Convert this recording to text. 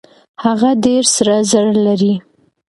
هغه ډېر سره زر لري.